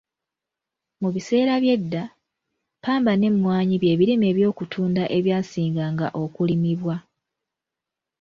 Mu biseera by’edda, ppamba n’emmwanyi bye birime eby’okutunda ebyasinga nga okulimibwa.